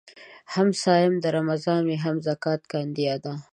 هم صايم د رمضان وي هم زکات کاندي ادا